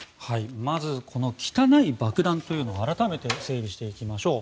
まず汚い爆弾というのを改めて整理していきましょう。